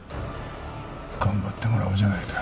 頑張ってもらおうじゃないか。